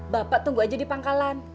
bapak tunggu aja di pangkalan